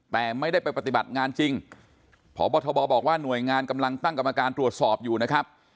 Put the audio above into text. แต่ไม่ได้ไปปฏิบัติงานจริงพบทบบอกว่าหน่วยงานกำลังตั้งกรรมการตรวจสอบอยู่นะครับ